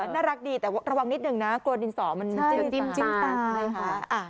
น่ารักดีแต่ระวังนิดนึงนะกลัวดินสอมันจะจิ้มตายค่ะ